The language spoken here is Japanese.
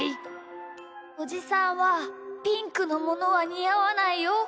おじさんはピンクのものはにあわないよ。